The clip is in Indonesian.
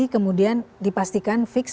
jadi kemudian dipastikan fix